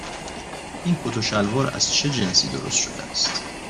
این کت و شلوار از چه جنسی درست شده است؟